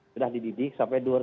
sudah dididik sampai dua ratus minggu